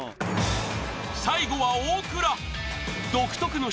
［最後は大倉］